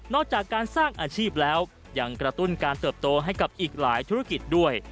จากการสร้างอาชีพแล้วยังกระตุ้นการเติบโตให้กับอีกหลายธุรกิจด้วย